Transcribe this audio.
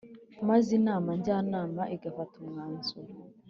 maze Inama Njyanama igafata umwanzuro